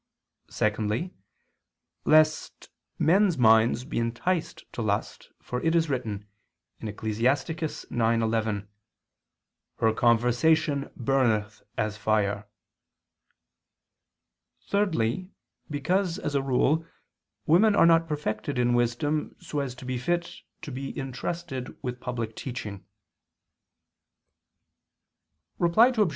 Secondly, lest men's minds be enticed to lust, for it is written (Ecclus. 9:11): "Her conversation burneth as fire." Thirdly, because as a rule women are not perfected in wisdom, so as to be fit to be intrusted with public teaching. Reply Obj.